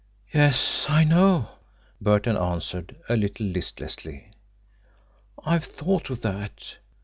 "Yes, I know," Burton answered a little listlessly. "I've thought of that.